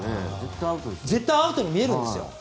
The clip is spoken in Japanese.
絶対アウトに見えるんですよ。